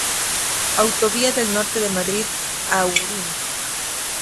Autovía del Norte de Madrid a Irún.